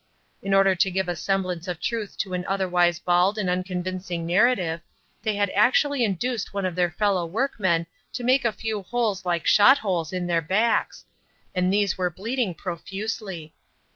In order to give a semblance of truth to an otherwise bald and unconvincing narrative, they had actually induced one of their fellow workmen to make a few holes like shot holes in their backs, and these were bleeding profusely.